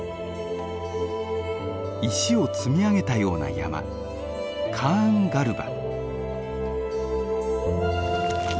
石を積み上げたような山カーンガルバ。